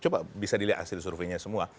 coba bisa dilihat hasil surveinya semua